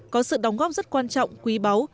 có sự đóng góp rất quan trọng quý báu